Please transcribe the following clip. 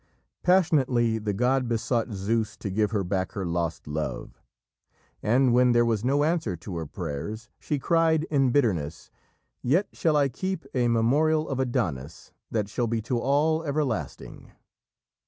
Passionately the god besought Zeus to give her back her lost love, and when there was no answer to her prayers, she cried in bitterness: "Yet shall I keep a memorial of Adonis that shall be to all everlasting!"